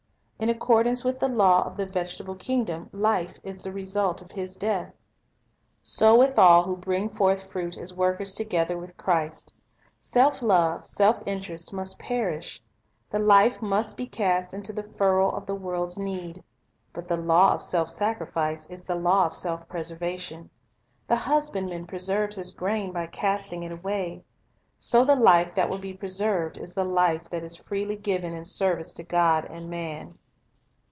In accordance with the law of the vegetable kingdom, life is the result of His death. So with all who bring forth fruit as workers together with Christ: self love, self interest, must perish; the life must be cast into the furrow of the world's need. But the law of self sacrifice is the law of self preservation. The husbandman preserves his grain by casting it away. So the life that will be preserved is the life that is freely ijiven in service to God and man.